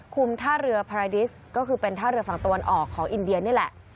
ท่าเรือพาราดิสก็คือเป็นท่าเรือฝั่งตะวันออกของอินเดียนี่แหละ